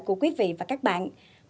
của quý vị và các bạn